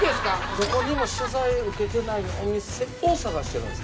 どこにも取材受けてないお店を探してるんです。